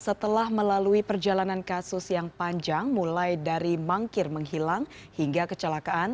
setelah melalui perjalanan kasus yang panjang mulai dari mangkir menghilang hingga kecelakaan